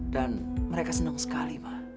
dan mereka senang sekali ma